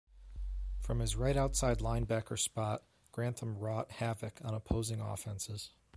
From his right outside linebacker spot, Grantham wrought havoc on opposing offenses.